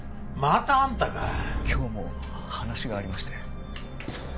今日も話がありまして。